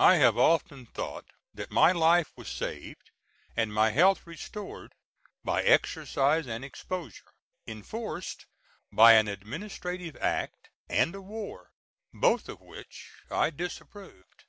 I have often thought that my life was saved, and my health restored, by exercise and exposure, enforced by an administrative act, and a war, both of which I disapproved.